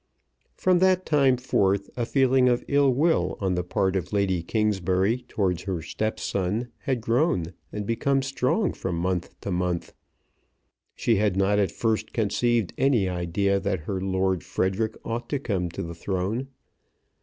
From that time forth a feeling of ill will on the part of Lady Kingsbury towards her stepson had grown and become strong from month to month. She had not at first conceived any idea that her Lord Frederic ought to come to the throne.